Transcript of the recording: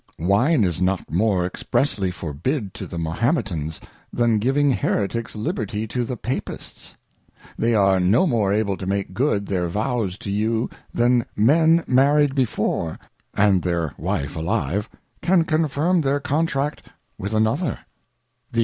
Wine is not iiiiore ex pressly forbid to the Mahonietans^Wa,n giving Hereticks Liberty— to the Papists: They are no more able to make good their Vows to you, than Men married before, and their Wife alive, can confirm their Contract with another.